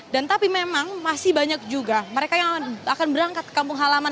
dan tapi memang masih banyak juga mereka yang akan berangkat ke kampung halaman